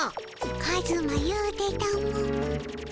カズマ言うてたも。